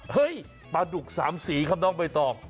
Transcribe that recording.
เฮ้ยปลาดุกสามสี่ครับน้องใบตอง